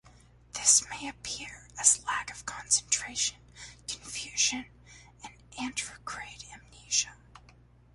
This may appear as lack of concentration, confusion and anterograde amnesia.